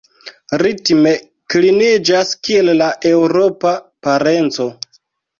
Ritme kliniĝas kiel la eŭropa parenco.